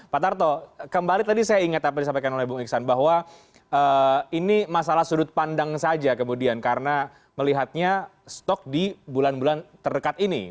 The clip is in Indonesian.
pak tarto kembali tadi saya ingat apa yang disampaikan oleh bung iksan bahwa ini masalah sudut pandang saja kemudian karena melihatnya stok di bulan bulan terdekat ini